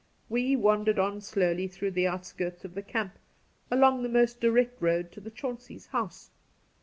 We wandered on slowly through the outskirts of the camp, along the most direct road to the Chaunceys' house.